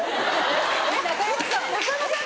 中山さん？